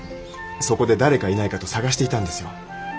そこで誰かいないかと探していたんですよ。